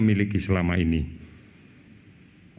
dan yang bisa tidak mendatangkan bagaimanapun